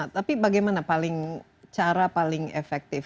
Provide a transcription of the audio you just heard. tapi bagaimana cara paling efektif